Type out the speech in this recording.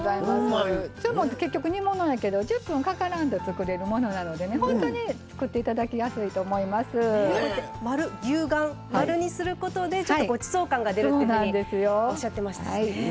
結局煮物やけど１０分かからんと作れるものなので本当に作っていただきやすいと牛丸、丸にすることでごちそう感が出るっていうふうにおっしゃってましたね。